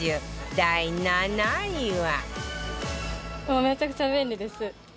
第７位は